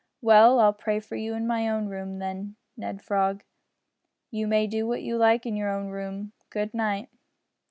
"Well, I'll pray for you in my own room, Ned Frog." "You may do what you like in your own room. Good night."